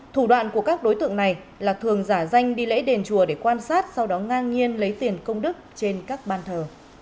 thủ đoạn của các đối tượng này là thường giả danh đi lễ đền chùa để quan sát sau đó ngang nhiên lấy tiền công đức trên các ban thờ